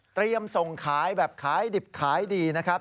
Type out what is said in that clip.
ส่งขายแบบขายดิบขายดีนะครับ